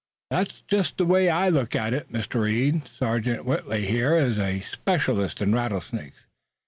"That's just the way I look at it, Mr. Reed. Sergeant Whitley here is a specialist in rattlesnakes.